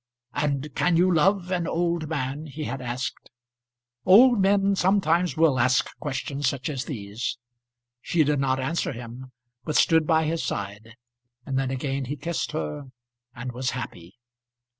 "And can you love an old man?" he had asked. Old men sometimes will ask questions such as these. She did not answer him, but stood by his side; and, then again he kissed her, and was happy.